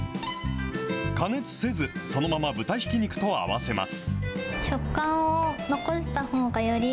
加熱せず、そのまま豚ひき肉と合わせます。